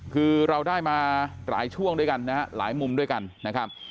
คือเราได้มาหลายช่วงด้วยกันนะฮะหลายมุมด้วยกันนะครับ